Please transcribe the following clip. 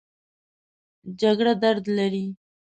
جګړه درد لري